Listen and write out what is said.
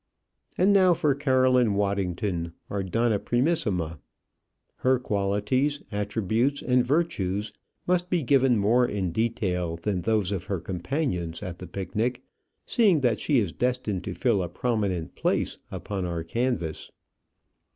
And now for Caroline Waddington, our donna primissima. Her qualities, attributes, and virtues must be given more in detail than those of her companions at the picnic, seeing that she is destined to fill a prominent place upon our canvas.